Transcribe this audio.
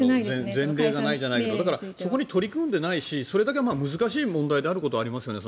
前例がないじゃないけどそこに取り組んでないしそれだけ難しい問題ではありますよね。